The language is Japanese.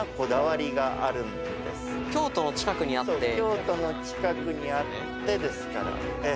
京都の近くにあってですから。